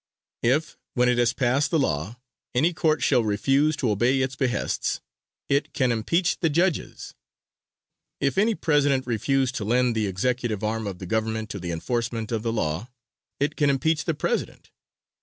If, when it has passed a law, any Court shall refuse to obey its behests, it can impeach the judges. If any president refuse to lend the executive arm of the government to the enforcement of the law, it can impeach the president.